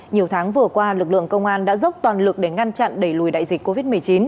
nhiều tháng vừa qua lực lượng công an đã dốc toàn lực để ngăn chặn đẩy lùi đại dịch covid một mươi chín